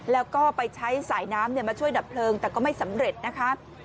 แล้วก็ไปใช้สายน้ำมาช่วยดับเพลิงแต่ก็ไม่สำเร็จนะคะ